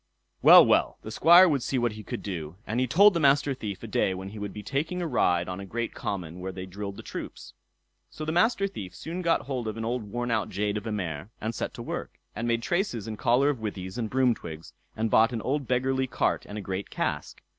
Well, well, the Squire would see what he could do; and he told the Master Thief a day when he would be taking a ride on a great common where they drilled the troops. So the Master Thief soon got hold of an old worn out jade of a mare, and set to work, and made traces and collar of withies and broom twigs, and bought an old beggarly cart and a great cask.